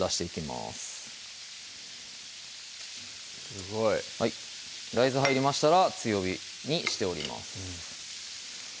すごい大豆入りましたら強火にしてます